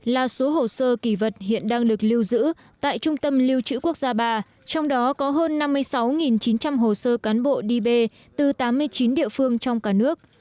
là số hồ sơ kỳ vật hiện đang được lưu giữ tại trung tâm lưu trữ quốc gia ba trong đó có hơn năm mươi sáu chín trăm linh hồ sơ cán bộ đi về từ tám mươi chín địa phương trong cả nước